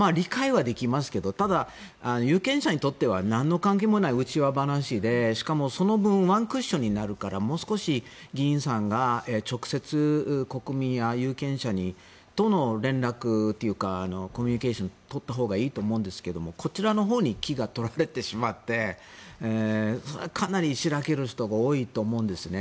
その部分は理解はできますがただ、有権者にとっては何の関係もない内輪話でその分ワンクッションになるから議員さんが直接国民や有権者との連絡というかコミュニケーションを取ったほうがいいと思うんですがこちらのほうに気を取られてしまってかなりしらける人も多いと思うんですね。